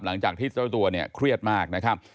หลังจากที่เจ้าตัวเนี่ยเครียดมากนะครับ